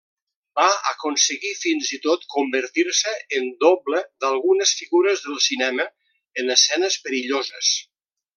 Va aconseguir fins i tot convertir-se en doble d'algunes figures del cinema en escenes perilloses.